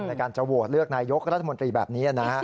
ในการจะโหวตเลือกนายกรัฐมนตรีแบบนี้